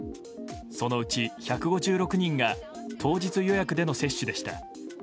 そのうち１５６人が当日予約での接種でした。